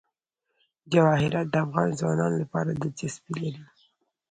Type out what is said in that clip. جواهرات د افغان ځوانانو لپاره دلچسپي لري.